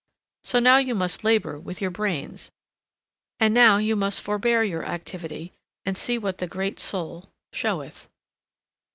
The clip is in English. So now you must labor with your brains, and now you must forbear your activity and see what the great Soul showeth.